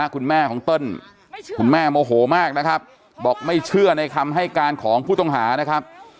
คุณแม่ของเติ้ลคุณแม่โมโหมากนะครับบอกไม่เชื่อในคำให้การของผู้ต้องหานะครับ